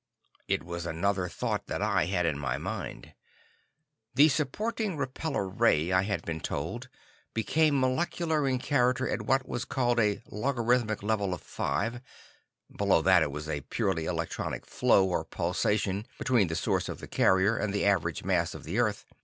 It was another thought that I had in my mind. The supporting repellor ray, I had been told, became molecular in character at what was called a logarithmic level of five (below that it was a purely electronic "flow" or pulsation between the source of the "carrier" and the average mass of the earth).